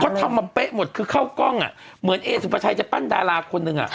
เขาทำมาเป๊ะหมดคือเข้ากล้องอ่ะเหมือนเอสุปชัยจะปั้นดาราคนหนึ่งอ่ะ